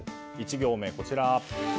１行目、こちら。